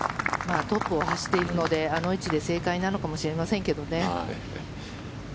トップを走っているのであの位置で正解なのかもしれませんけどね。